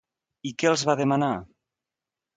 I què els va demanar?